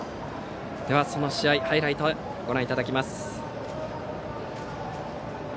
その試合、ハイライトをご覧いただきます。